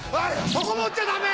そこ持っちゃダメ！